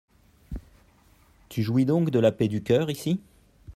Tu jouis donc de la paix du cœur ici ?